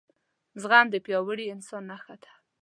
زغم دپیاوړي انسان نښه ده